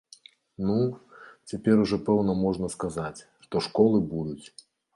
Ну, цяпер ужо пэўна можна сказаць, што школы будуць!